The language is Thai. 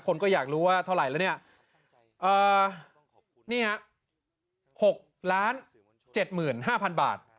คนก็อยากรู้ว่าเท่าไหร่แล้วเนี้ยเอ่อนี่ฮะหกล้านเจ็ดหมื่นห้าพันบาท